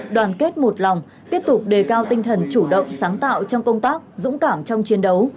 đoàn kết một lòng tiếp tục đề cao tinh thần chủ động sáng tạo trong công tác dũng cảm trong chiến đấu